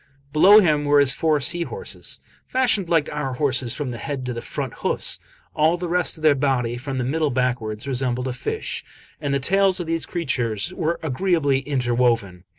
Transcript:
Below him were his four sea horses, fashioned like our horses from the head to the front hoofs; all the rest of their body, from the middle backwards, resembled a fish, and the tails of these creatures were agreeably inter woven.